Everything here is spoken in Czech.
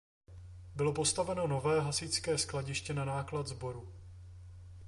Bylo postaveno nové hasičské skladiště na náklad sboru.